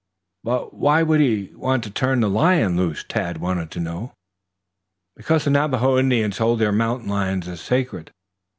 "But why should he want to turn the lion loose?" Tad wanted to know. "Because the Navajo Indians hold the mountain lion as sacred.